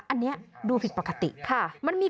อันนี้ดูผิดปกติค่ะ